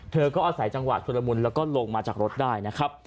เธอก็อาศัยจังหวะชุดละมุนแล้วก็ลงมาจากรถได้นะครับ